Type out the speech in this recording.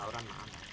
lima tahunan makanya